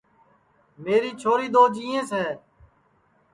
میری چھوری دؔو جِیئینٚس ہے